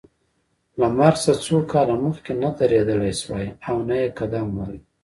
له مرګ څخه څو کاله مخکې نه درېدلای شوای او نه یې قدم وهلای.